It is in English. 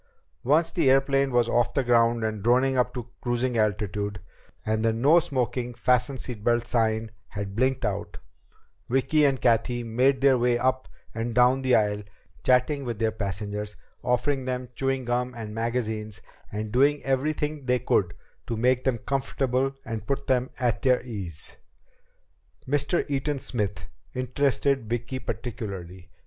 Once the airplane was off the ground and droning up to cruising altitude, and the NO SMOKING FASTEN SEAT BELTS sign had blinked out, Vicki and Cathy made their way up and down the aisle, chatting with their passengers, offering them chewing gum and magazines, and doing everything they could to make them comfortable and put them at their ease. Mr. Eaton Smith interested Vicki particularly.